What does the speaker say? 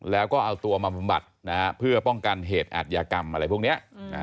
แล้วก็เอาตัวมาบำบัดเพื่อป้องกันเหตุอัธยากรรมอะไรพวกนี้